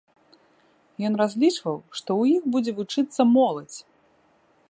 Ён разлічваў, што ў іх будзе вучыцца моладзь.